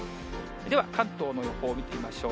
では関東の予報を見てみましょう。